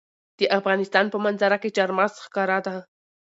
د افغانستان په منظره کې چار مغز ښکاره ده.